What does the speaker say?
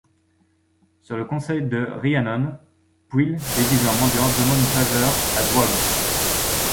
Sur le conseil de Rhiannon, Pwyll, déguisé en mendiant, demande une faveur à Gwawl.